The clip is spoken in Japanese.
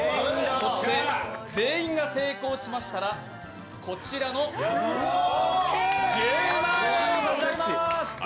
そして全員が成功しましたらこちらの１０万円を差し上げます。